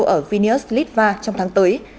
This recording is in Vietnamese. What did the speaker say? ở phineas litva trong tháng tới